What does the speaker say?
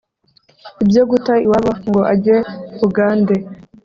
Ibyo guta iwabo ngo ajye Bugande